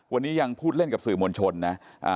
วันนี้ยังพูดเล่นกับสื่อมวลชนนะ